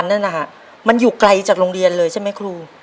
ในแคมเปญพิเศษเกมต่อชีวิตโรงเรียนของหนู